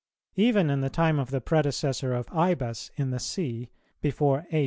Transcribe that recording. [291:7] Even in the time of the predecessor of Ibas in the See (before A.